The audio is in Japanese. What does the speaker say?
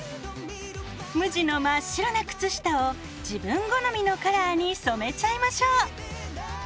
無地の真っ白な靴下を自分好みのカラーに染めちゃいましょう！